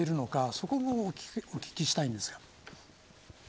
そこもお聞きしたいです。